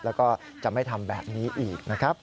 แล้วก็จะไม่ทำแบบนี้อีกนะครับ